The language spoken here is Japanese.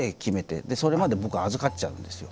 それまで僕預かっちゃうんですよ。